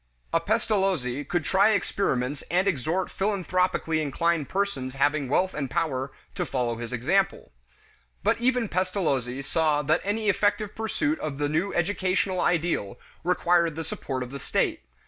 A Pestalozzi could try experiments and exhort philanthropically inclined persons having wealth and power to follow his example. But even Pestalozzi saw that any effective pursuit of the new educational ideal required the support of the state.